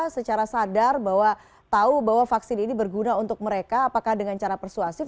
secara sadar bahwa tahu bahwa vaksin ini berguna untuk mereka apakah dengan cara persuasif